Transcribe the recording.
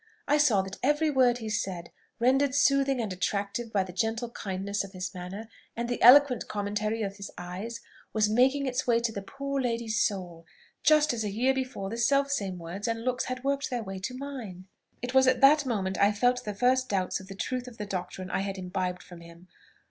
I saw that every word he said, rendered soothing and attractive by the gentle kindness of his manner and the eloquent commentary of his eyes, was making its way to the poor lady's soul, just as a year before the selfsame words and looks had worked their way to mine. "It was at that moment I felt the first doubts of the truth of the doctrine I had imbibed from him.